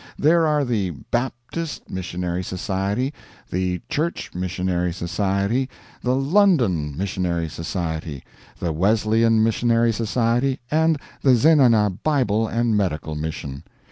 There are the Baptist Missionary Society, the Church Missionary Society, the London Missionary Society, the Wesleyan Missionary Society, and the Zenana Bible and Medical Mission.